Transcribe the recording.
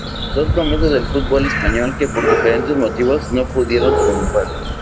Dos promesas del fútbol español que por diferentes motivos no pudieron triunfar.